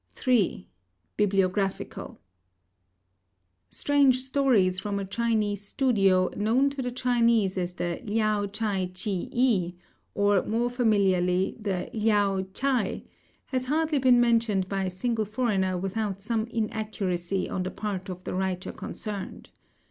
III. BIBLIOGRAPHICAL. Strange Stories from a Chinese Studio, known to the Chinese as the Liao Chai Chih I, or more familiarly, the Liao Chai, has hardly been mentioned by a single foreigner without some inaccuracy on the part of the writer concerned.